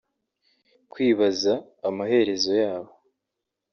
Kwibaza amaherezo yabo